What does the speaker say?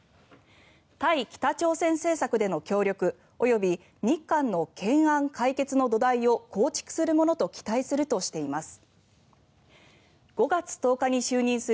対北朝鮮政策での協力及び日韓の懸案解決の土台を構築するものと期待するとしています。